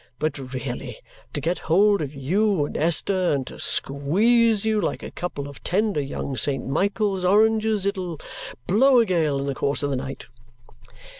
But really to get hold of you and Esther and to squeeze you like a couple of tender young Saint Michael's oranges! It'll blow a gale in the course of the night!"